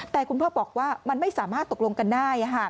แต่คุณพ่อบอกว่ามันไม่สามารถตกลงกันได้